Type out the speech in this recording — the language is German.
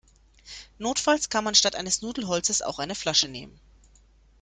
Notfalls kann man statt eines Nudelholzes auch eine Flasche nehmen.